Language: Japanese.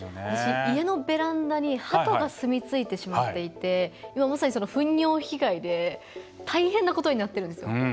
私、家のベランダにハトが住み着いてしまっていて今まさに、ふん尿被害で大変なことになってるんですよ。